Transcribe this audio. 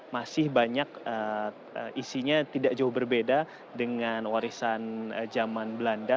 masih banyak isinya tidak jauh berbeda dengan warisan zaman belanda